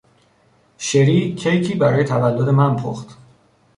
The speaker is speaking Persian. شری کیکی برای تولد من پخت.